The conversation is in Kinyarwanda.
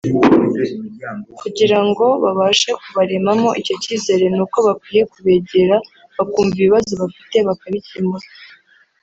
Kugira ngo babashe kubaremamo icyo cyizere ni uko bakwiye kubegera bakumva ibibazo bafite bakabikemura